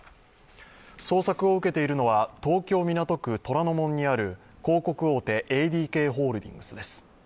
捜索を受けているのは東京・港区虎ノ門にある広告大手ＡＤＫホールディングスです。